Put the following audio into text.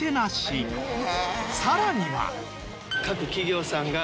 さらには。